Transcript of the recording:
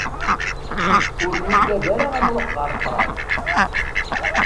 Ur nuggad ara ad nruḥ ɣer ṭṭrad.